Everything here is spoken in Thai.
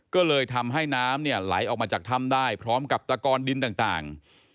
ก็เลยทำให้น้ำไหลออกมาจากถ้ำได้พร้อมกับตะกอนดินต่าง